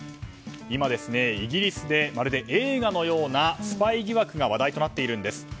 今、イギリスでまるで映画のようなスパイ疑惑が話題となっているんです。